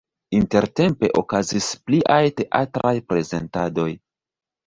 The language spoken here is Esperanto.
Intertempe okazis pliaj teatraj prezentadoj.